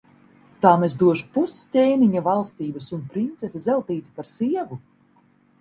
Tam es došu pus ķēniņa valstības un princesi Zeltīti par sievu.